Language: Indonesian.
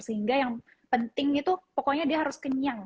sehingga yang penting itu pokoknya dia harus kenyang